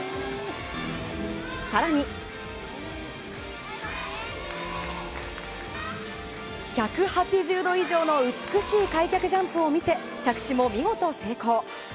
更に、１８０度以上の美しい開脚ジャンプを見せ着地も見事成功。